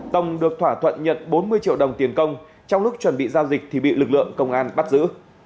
tổng được thỏa thuận nhận bốn mươi triệu đồng tiền công trong lúc chuẩn bị giao dịch thì bị lực lượng công an bắt giữ